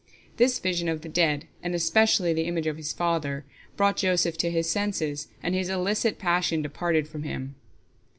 This vision of the dead, and especially the image of his father, brought Joseph to his senses, and his illicit passion departed from him.